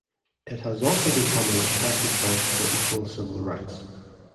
It has also become a respected voice for equal civil rights.